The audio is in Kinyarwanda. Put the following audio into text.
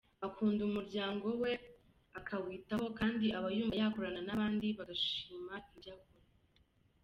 Akunda umuryango we akawitaho kandi aba yumva yakorana n’abandi bagashima ibyo akora.